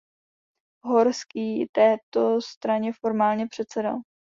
Horský této straně formálně předsedal.